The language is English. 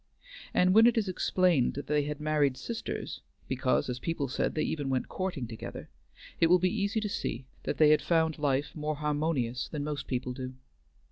And when it is explained that they had married sisters, because, as people said, they even went courting together, it will be easy to see that they had found life more harmonious than most people do.